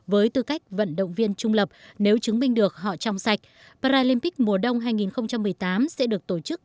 với tư cách vận động viên trung lập nếu chứng minh được họ trong sạch paralympic mùa đông hai nghìn một mươi tám sẽ được tổ chức